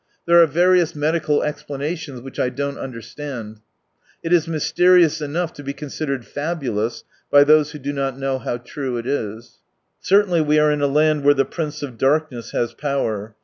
There are various medical eMplanalions, which I don't understand. It is mysterious enough to be considered fabulous by those who do not know how true it is. Certainly we are in a land where the Prince of Darkness has power.